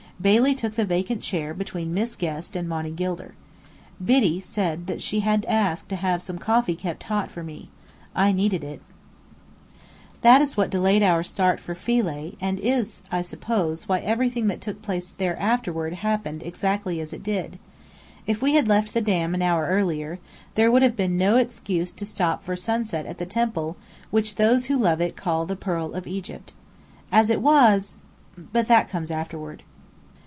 Bailey took the vacant chair between Rachel Guest and Monny Gilder. Biddy said that she had asked to have some coffee kept hot for me. I needed it! That is what delayed our start for Philae and is, I suppose, why everything that took place there afterward happened exactly as it did. If we had left the Dam an hour earlier, there would have been no excuse to stop for sunset at the temple which those who love it call the "Pearl of Egypt." As it was but that comes afterward.